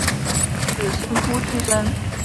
只剩哭泣声